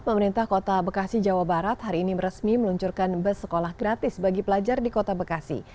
pemerintah kota bekasi jawa barat hari ini resmi meluncurkan bus sekolah gratis bagi pelajar di kota bekasi